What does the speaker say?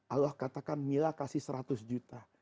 allah katakan mila kasih seratus juta